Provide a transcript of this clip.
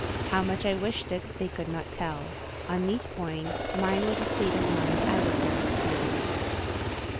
How much I wished it, they could not tell. On these points, mine was a state of mind out of their experience.